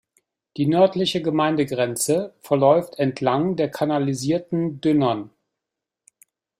Die nördliche Gemeindegrenze verläuft entlang der kanalisierten Dünnern.